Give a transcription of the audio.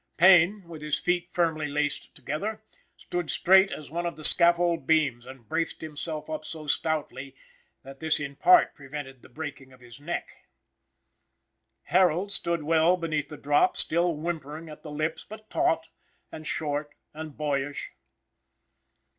Payne, with his feet firmly laced together, stood straight as one of the scaffold beams, and braced himself up so stoutly that this in part prevented the breaking of his neck. Harold stood well beneath the drop, still whimpering at the lips, but taut, and short, and boyish.